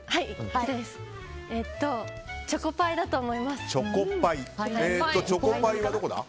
チョコパイだと思います。